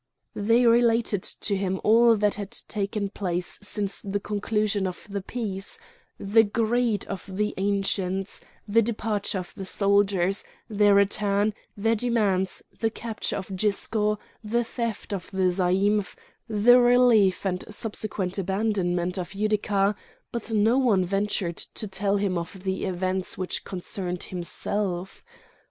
They related to him all that had taken place since the conclusion of the peace: the greed of the Ancients, the departure of the soldiers, their return, their demands, the capture of Gisco, the theft of the zaïmph, the relief and subsequent abandonment of Utica; but no one ventured to tell him of the events which concerned himself.